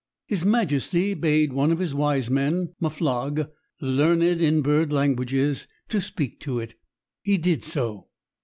His majesty bade one of his wise men, Muflog, learned in bird languages, to speak to it. He did so.